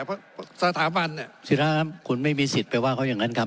เพราะสถาบันศิราคุณไม่มีสิทธิ์ไปว่าเขาอย่างนั้นครับ